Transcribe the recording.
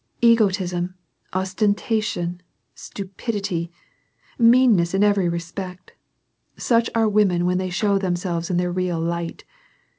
Egotism, ostentation, stupidity, meanness in every respect — such are women when they show tliemselves in tlieir real light.